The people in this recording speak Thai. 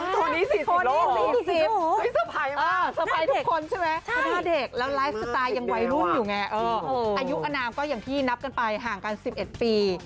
ตัวนี้๔๐แล้วเหรอสะพายมากหน้าเด็กแล้วไลฟ์สไตล์ยังวัยรุ่นอยู่ไงอายุอนามก็อย่างที่นับกันไปห่างกัน๑๑ปี